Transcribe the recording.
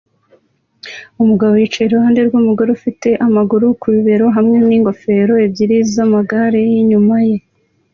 Umugabo yicaye iruhande rw'umugore ufite amaguru ku bibero hamwe n'ingofero ebyiri z'amagare inyuma ye